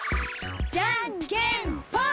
じゃんけんぽん！